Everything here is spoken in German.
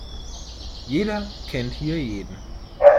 Jeder kennt hier jeden.